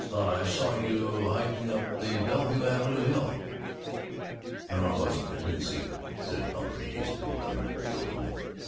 Thought I saw you hiking up the Bellevue Avenue Hill." "No, I wasn't I didn't see you," said Pumphrey, hastily, rather guiltily.